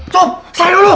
jup saya dulu